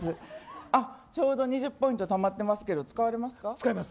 ああ、ちょうど２０ポイントたまっていますけど使います。